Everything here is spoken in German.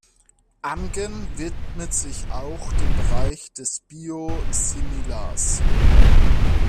Amgen widmet sich auch dem Bereich der Biosimilars.